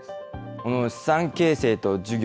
この資産形成と授業。